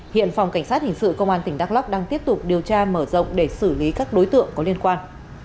hiện phòng cảnh sát hình sự công an tỉnh đắk lắc đang tiếp tục điều tra mở rộng để xử lý các đối tượng có liên quan